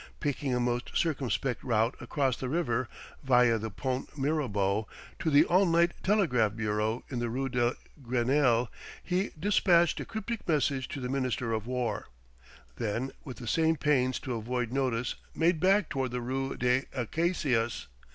Picking a most circumspect route across the river via the Pont Mirabeau to the all night telegraph bureau in the rue de Grenelle he despatched a cryptic message to the Minister of War, then with the same pains to avoid notice made back toward the rue des Acacias.